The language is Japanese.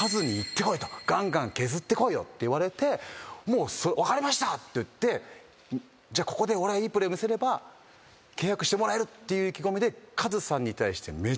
「ガンガン削ってこいよ」って言われて「分かりました！」って言ってじゃあここで俺がいいプレーを見せれば契約してもらえるっていう意気込みで。